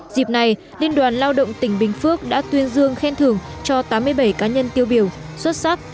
dịp này liên đoàn lao động tỉnh bình phước đã tuyên dương khen thưởng cho tám mươi bảy cá nhân tiêu biểu xuất sắc